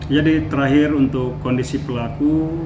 jadi terakhir untuk kondisi pelaku